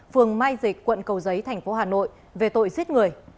phường mai dịch quận cầu giấy tp hcm về tội giết người